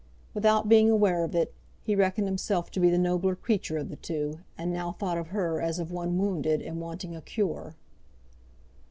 Without being aware of it, he reckoned himself to be the nobler creature of the two, and now thought of her as of one wounded, and wanting a cure.